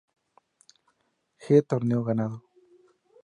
G=Torneo ganado.